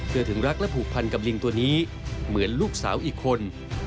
ถึงรักและผูกพันกับลิงตัวนี้เหมือนลูกสาวอีกคน